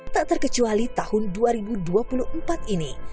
tak terkecuali tahun dua ribu dua puluh empat ini